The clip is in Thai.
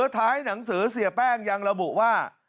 ท้ายหนังสือเสียแป้งยังระบุว่า